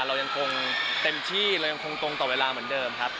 เรายังคงเต็มที่เรายังคงตรงต่อเวลาเหมือนเดิมครับ